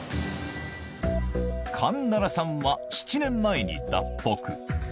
カン・ナラさんは７年前に脱北。